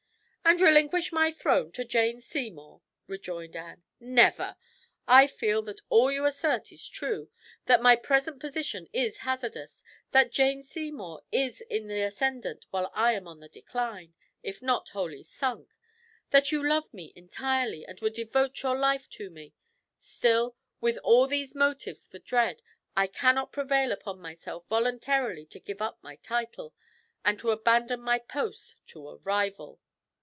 "And relinquish my throne to Jane Seymour?" rejoined Anne "Never! I feel that all you assert is true that my present position is hazardous that Jane Seymour is in the ascendant, while I am on the decline, if not wholly sunk that you love me entirely, and would devote your life to me still, with all these motives for dread, I cannot prevail upon myself voluntarily to give up my title, and to abandon my post to a rival."